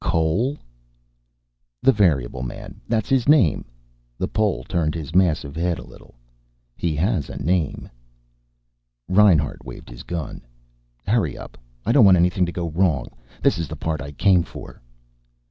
"Cole?" "The variable man. That's his name." The Pole turned his massive head a little. "He has a name." Reinhart waved his gun. "Hurry up. I don't want anything to go wrong. This is the part I came for."